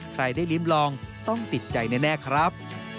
ใครได้ลิ้มลองต้องติดใจแน่ครับ